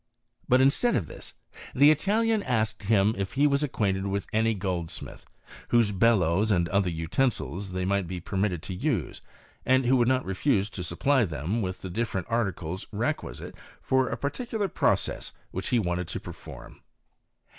B instead of this, the Italian asked him if he was a quainted with any goldsmith, whose bellows and ott utensils they might be permitted to use, and w would not refuse to supply them with the difierc articles requisite for a particular process which wanted to perform.